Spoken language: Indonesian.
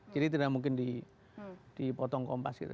jadi tidak mungkin dipotong kompas gitu